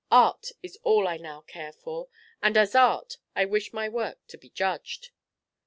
Art is all I now care for, and as art I wish my work to be judged."